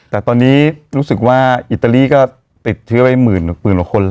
แต่ตอนนี้รู้สึกว่าอิตาลีก็ติดเชื้อไปหมื่นกว่าคนแล้ว